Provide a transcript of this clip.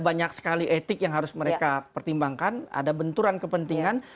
banyak sekali etik yang harus mereka pertimbangkan ada benturan kepentingan